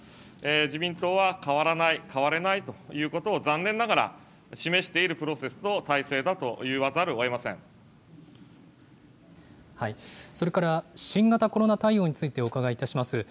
自民党は変わらない、変われないということを、残念ながら示しているプロセス、それから新型コロナ対応についてお伺いいたします。